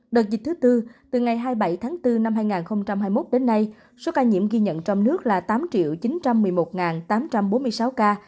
đợt dịch thứ tư từ ngày hai mươi bảy tháng bốn năm hai nghìn hai mươi một đến nay số ca nhiễm ghi nhận trong nước là tám chín trăm một mươi một tám trăm bốn mươi sáu ca